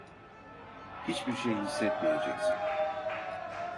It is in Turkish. Hiçbir şey hissetmeyeceksin.